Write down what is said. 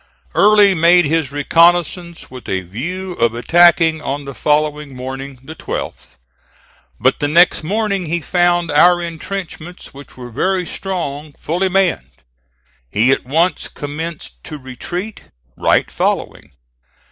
Early made his reconnoissance with a view of attacking on the following morning, the 12th; but the next morning he found our intrenchments, which were very strong, fully manned. He at once commenced to retreat, Wright following.